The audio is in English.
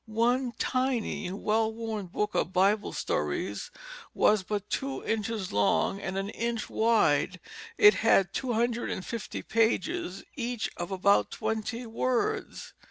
One tiny, well worn book of Bible stories was but two inches long and an inch wide. It had two hundred and fifty pages, each of about twenty words.